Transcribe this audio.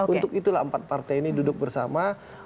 untuk itulah empat partai ini duduk bersama